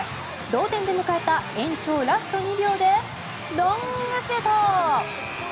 同点で迎えた延長ラスト２秒でロングシュート。